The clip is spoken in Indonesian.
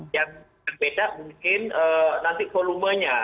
yang berbeda mungkin nanti volumenya